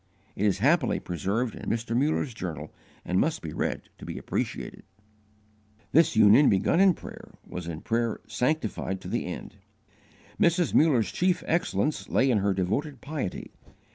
It is happily preserved in Mr. Muller's journal, and must be read to be appreciated.* * Narrative, III. 575 594. This union, begun in prayer, was in prayer sanctified to the end. Mrs. Muller's chief excellence lay in her devoted piety.